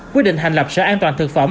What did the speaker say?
quyết định hành lập sở an toàn thực phẩm